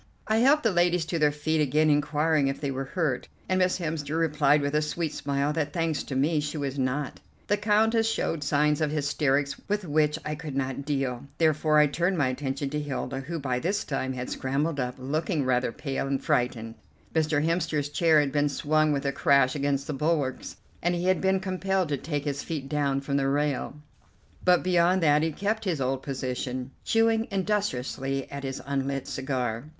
I helped the ladies to their feet again, inquiring if they were hurt, and Miss Hemster replied with a sweet smile that, thanks to me, she was not. The Countess showed signs of hysterics with which I could not deal, therefore I turned my attention to Hilda, who by this time had scrambled up, looking rather pale and frightened. Mr. Hemster's chair had been swung with a crash against the bulwarks, and he had been compelled to take his feet down from the rail, but beyond that he kept his old position, chewing industriously at his unlit cigar.